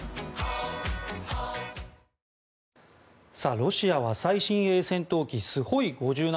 ロシアは最新鋭戦闘機スホイ５７